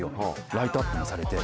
ライトアップもされて。